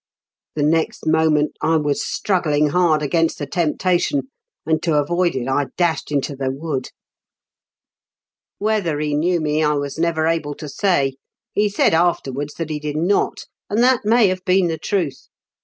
The next moment I was struggling hard against the temptation; and to avoid it I dashed into the wood. " Whether he knew me I was never able THE CONVICrS 8 TOBY. 131 to say. He said afterwards that he did not, and that may have been the truth.